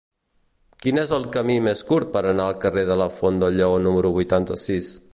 Quin és el camí més curt per anar al carrer de la Font del Lleó número vuitanta-sis?